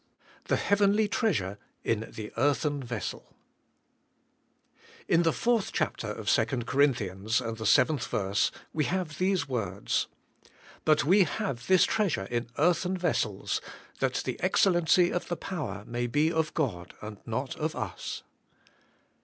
XTbe fbc^vcnl^ treasure in tbe Bartben In the fourth chapter of second Corinthians and the seventh verse, we have these words, "But we have this treasure in earthen vessels, that the ex cellency of the power may be of God and not of us."